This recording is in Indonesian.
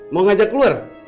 mau ngajak keluar